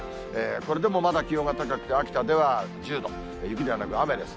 これでもまだ気温が高くて、秋田では１０度、雪ではなく雨です。